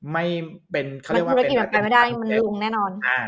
ไม่เป็นธุรกิจแบบไปไม่ได้มันลุงแน่นอน